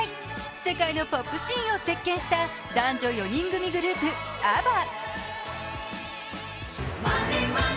世界のポップシーンを席けんした男女４人組グループ・ＡＢＢＡ。